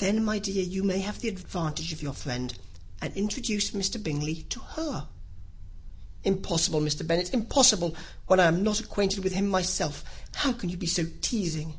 "Then, my dear, you may have the advantage of your friend, and introduce Mr. Bingley to her." "Impossible, Mr. Bennet, impossible, when I am not acquainted with him myself; how can you be so teasing?"